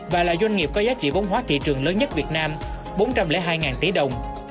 và là doanh nghiệp có giá trị vốn hóa thị trường lớn nhất việt nam bốn trăm linh hai tỷ đồng